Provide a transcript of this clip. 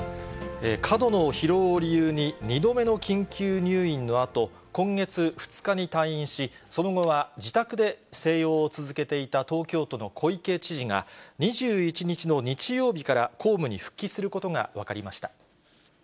過度の疲労を理由に、２度目の緊急入院のあと、今月２日に退院し、その後は自宅で静養を続けていた東京都の小池知事が、２１日の日曜日から公務に復帰することが分かりました。